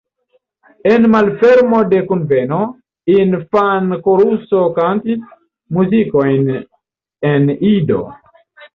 En malfermo de kunveno, infan-koruso kantis muzikojn en Ido.